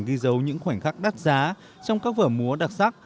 ghi dấu những khoảnh khắc đắt giá trong các vở múa đặc sắc